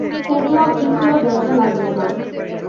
কোথাও একটুও ব্যথা লাগল না।